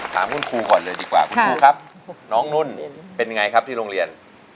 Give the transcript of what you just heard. ถามคุณครูก่อนเลยดีกว่าคุณครูครับน้องนุ่นเป็นไงครับที่โรงเรียน